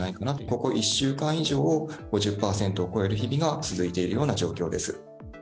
ここ１週間以上、５０％を超える日々が続いているような状況です。